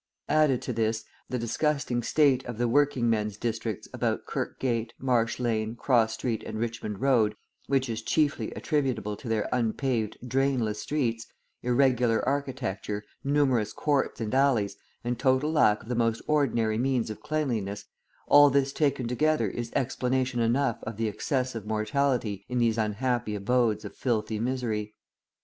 Added to this, the disgusting state of the working men's districts about Kirkgate, Marsh Lane, Cross Street and Richmond Road, which is chiefly attributable to their unpaved, drainless streets, irregular architecture, numerous courts and alleys, and total lack of the most ordinary means of cleanliness, all this taken together is explanation enough of the excessive mortality in these unhappy abodes of filthy misery.